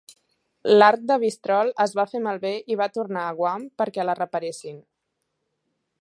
L'arc de "Bristol" es va fer malbé i va tornar a Guam perquè la reparessin.